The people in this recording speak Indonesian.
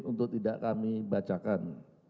untuk tidak kami bacakan